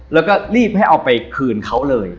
แล้วก็รีบให้เอาไปคืนเขาเลย